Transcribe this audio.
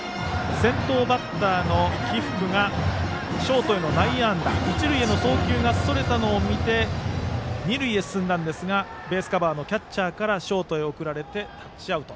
先頭バッターの来福がショートへの内野安打一塁への送球がそれたのを見て二塁へ進んだんですがベースカバーのキャッチャーからショートへ送られてタッチアウト。